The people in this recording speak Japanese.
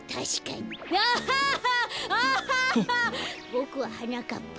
ボクははなかっぱ。